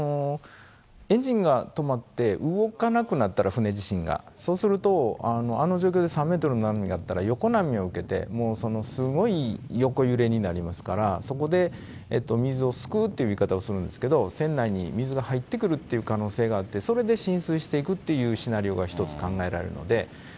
エンジンが止まって、動かなくなったら、船自身が、そうすると、あの状況で３メートルの波だったら、横波を受けて、すごい横揺れになりますから、そこで水をすくうっていう言い方をするんですけど、船内に水が入ってくるという可能性があって、それで浸水していくっていうシナリオが一つ考えられるので。